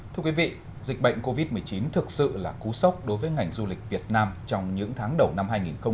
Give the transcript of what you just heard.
thưa quý vị dịch bệnh covid một mươi chín thực sự là cú sốc đối với ngành du lịch việt nam trong những tháng đầu năm hai nghìn hai mươi